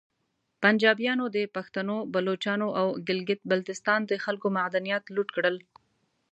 پنجابیانو د پختنو، بلوچانو او ګلګیت بلتیستان د خلکو معدنیات لوټ کړل